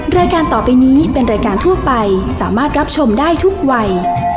รายการต่อไปนี้เป็นรายการทั่วไปสามารถรับชมได้ทุกวัย